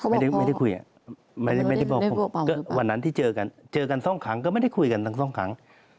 ไม่ได้คุยไม่ได้บอกผมก็วันนั้นที่เจอกันเจอกันสองครั้งก็ไม่ได้คุยกันทั้งสองครั้ง